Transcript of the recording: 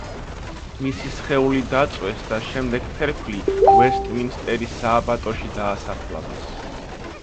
მისი სხეული დაწვეს და შემდეგ ფერფლი უესტმინსტერის სააბატოში დაასაფლავეს.